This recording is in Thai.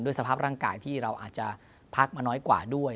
สภาพร่างกายที่เราอาจจะพักมาน้อยกว่าด้วย